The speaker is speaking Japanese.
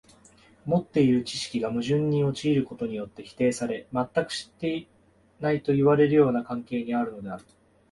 持っている知識が矛盾に陥ることによって否定され、全く知っていないといわれるような関係にあるのである。